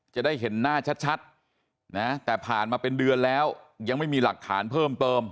จะได้เห็นหน้าชัดนะแต่ผ่านมาเป็นเดือนแล้วยังไม่มีหลักฐานเพิ่มเติม